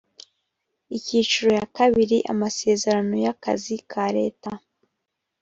icyiciro ya kabiri amasezerano y akazi ka leta